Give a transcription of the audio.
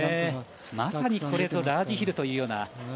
まさにこれぞラージヒルというような。